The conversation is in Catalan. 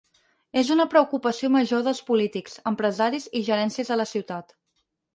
És una preocupació major dels polítics, empresaris i gerències de la ciutat.